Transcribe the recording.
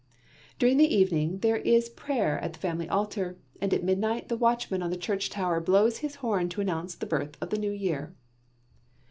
During the evening, there is prayer at the family altar, and at midnight the watchman on the church tower blows his horn to announce the birth of the New Year.